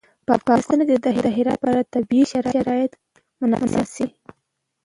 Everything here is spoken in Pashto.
په افغانستان کې د هرات لپاره طبیعي شرایط مناسب دي.